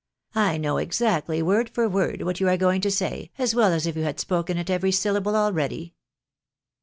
" I know exactly, word for word, what you are going to say, as well as if you had spoken it every syllable already."